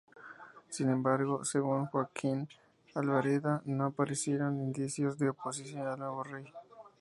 Sin embargo, según Joaquim Albareda, "no aparecieron indicios de oposición al nuevo rey".